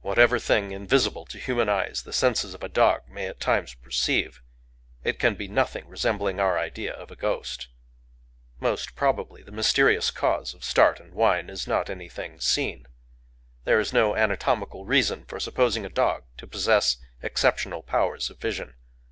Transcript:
Whatever thing invisible to human eyes the senses of a dog may at times perceive, it can be nothing resembling our idea of a ghost. Most probably the mysterious cause of start and whine is not anything seen. There is no anatomical reason for supposing a dog to possess exceptional powers of vision.